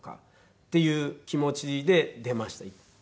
っていう気持ちで出ました。